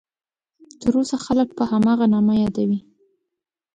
تر اوسه خلک په هماغه نامه یادوي.